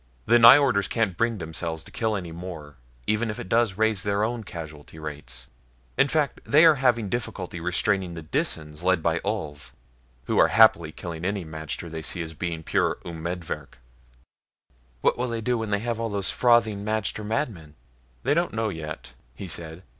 "The Nyjorders can't bring themselves to kill any more, even if it does raise their own casualty rate. In fact, they are having difficulty restraining the Disans led by Ulv, who are happily killing any magter they see as being pure umedvirk." "What will they do when they have all those frothing magter madmen?" "They don't know yet," he said.